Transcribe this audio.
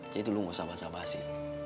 jadi lu nggak usah basah basi